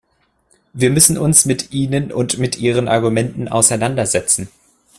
Wir müssen uns mit ihnen und mit ihren Argumenten auseinandersetzen.